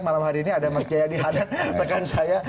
malam hari ini ada mas jayadi hanan rekan saya